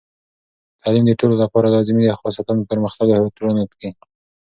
تعلیم د ټولو لپاره لازمي دی، خاصتاً پرمختللو ټولنو کې.